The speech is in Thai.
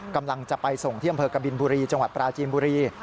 กำลังจะไปส่งที่อำเภอกบินบุรีจังหวัดปราจีนบุรี